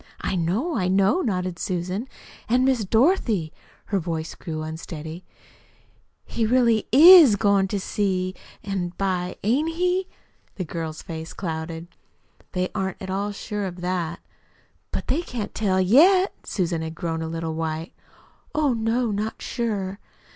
"I know, I know," nodded Susan. "An' Miss Dorothy" her voice grew unsteady "he really IS goin' to see by an' by, ain't he?" The girl's face clouded. "They aren't at all sure of that." "But they can't tell YET?" Susan had grown a little white. "Oh, no, not sure."